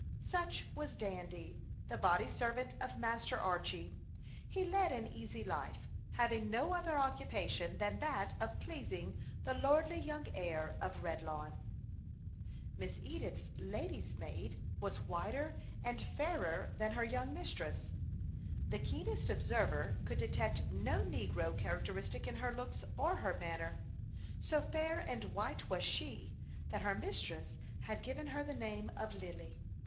Such was Dandy, the body servant of Master Archy. He led an easy life, having no other occupation than that of pleasing the lordly young heir of Redlawn. Miss Edith's lady's maid was whiter and fairer than her young mistress. The keenest observer could detect no negro characteristic in her looks or her manner. So fair and white was she, that her mistress had given her the name of "Lily."